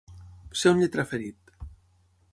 Ser un lletraferit.